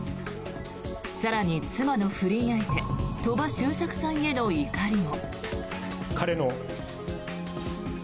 更に、妻の不倫相手鳥羽周作さんへの怒りも。